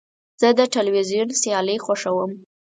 زه د تلویزیون سیالۍ خوښوم.